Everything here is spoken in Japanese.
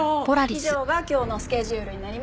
以上が今日のスケジュールになります。